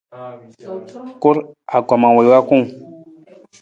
Kur, angkoma wii wa kung.